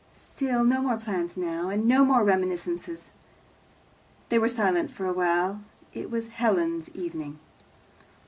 "Still, no more plans now. And no more reminiscences." They were silent for a little. It was Helen's evening.